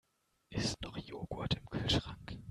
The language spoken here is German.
Ist noch Joghurt im Kühlschrank?